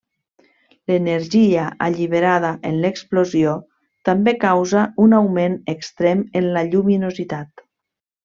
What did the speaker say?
L'energia alliberada en l'explosió també causa un augment extrem en la lluminositat.